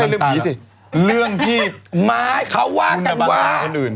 ไม่ใช่เรื่องพีเรื่องที่ลุนอำนาจงานช้านอื่น